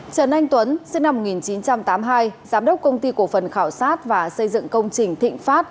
trần anh tuấn sinh năm một nghìn chín trăm tám mươi hai giám đốc công ty cổ phần khảo sát và xây dựng công trình thịnh phát